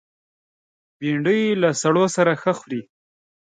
بېنډۍ له سړو سره ښه خوري